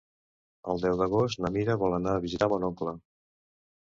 El deu d'agost na Mira vol anar a visitar mon oncle.